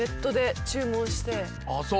あぁそう。